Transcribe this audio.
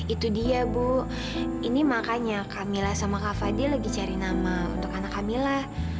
itu dia bu ini makanya kamilah sama kak fadil lagi cari nama untuk anak kamila